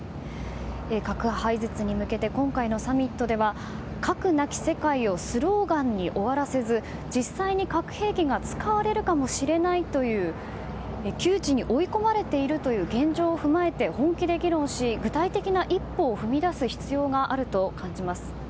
核廃絶に向けて今回のサミットでは核なき世界をスローガンに終わらせず実際に核兵器が使われるかもしれないという窮地に追い込まれているという現状を踏まえて本気で議論し具体的な一歩を踏み出す必要があると感じます。